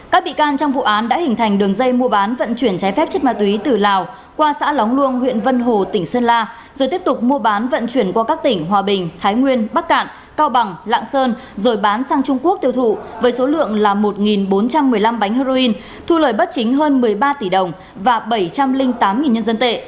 các bị can trong vụ án đã hình thành đường dây mua bán vận chuyển trái phép chất ma túy từ lào qua xã lóng luông huyện vân hồ tỉnh sơn la rồi tiếp tục mua bán vận chuyển qua các tỉnh hòa bình thái nguyên bắc cạn cao bằng lạng sơn rồi bán sang trung quốc tiêu thụ với số lượng là một bốn trăm một mươi năm bánh heroin thu lời bất chính hơn một mươi ba tỷ đồng và bảy trăm linh tám nhân dân tệ